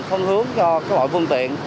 phân hướng cho các loại phương tiện